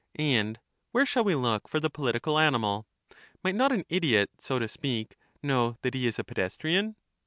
And where shall we look for the f)olitical animal? Might not an idiot, so to speak, know that he is a pedestrian?